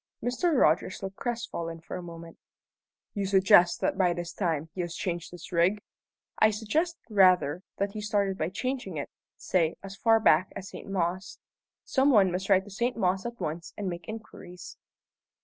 Mr. Rogers looked crestfallen for a moment. "You suggest that by this time he has changed his rig?" "I suggest, rather, that he started by changing it, say, as far back as St. Mawes. Some one must ride to St. Mawes at once and make inquiries."